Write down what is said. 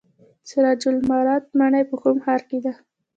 سراج العمارت ماڼۍ په کوم ښار کې ده؟